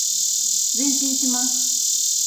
前進します。